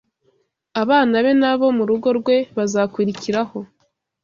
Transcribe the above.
abana be n’abo mu rugo rwe bazakurikiraho